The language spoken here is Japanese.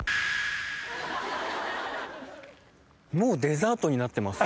もうデザートになってます。